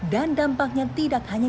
dan dampaknya tidak hanya